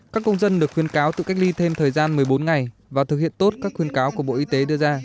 các công dân được khuyên cáo tự cách ly thêm thời gian một mươi bốn ngày và thực hiện tốt các khuyên cáo của bộ y tế đưa ra